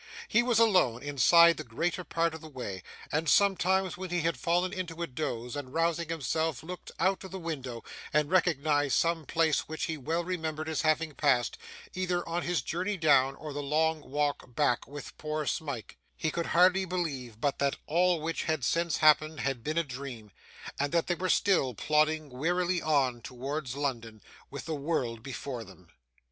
He was alone inside the greater part of the way, and sometimes, when he had fallen into a doze, and, rousing himself, looked out of the window, and recognised some place which he well remembered as having passed, either on his journey down, or in the long walk back with poor Smike, he could hardly believe but that all which had since happened had been a dream, and that they were still plodding wearily on towards London, with the world before them.